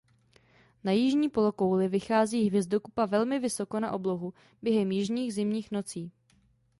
Na jižní polokouli vychází hvězdokupa velmi vysoko na oblohu během jižních zimních nocí.